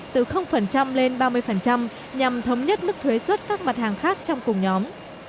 từ lên ba mươi nhằm thống nhất mức thuế xuất các mặt hàng khác trong cùng nhóm